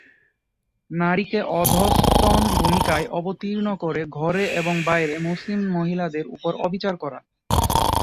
নারীকে অধস্তন ভূমিকায় অবতীর্ণ করে ঘরে এবং বাইরে মুসলিম মহিলাদের উপর অবিচার করা।